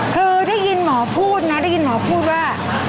คือได้ยินหมอพูดนะได้ยินหมอพูดว่า